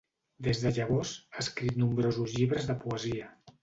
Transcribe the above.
Des de llavors, ha escrit nombrosos llibres de poesia.